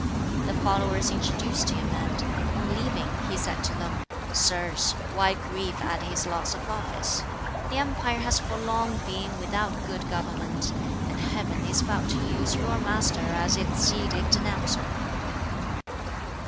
The followers introduced him; and, on leaving, he said to them, "Sirs, why grieve at his loss of office? The empire has for long been without good government; and Heaven is about to use your master as its edict announcer."